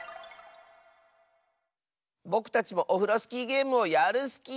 ぼくたちもオフロスキーゲームをやるスキー！